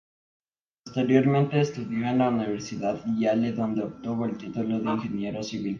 Posteriormente estudió en la Universidad Yale, donde obtuvo el título de ingeniero civil.